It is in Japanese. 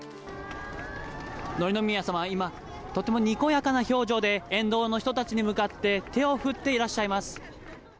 紀宮さま、今、とってもにこやかな表情で、沿道の人たちに向かって手を振っていらっしゃいます。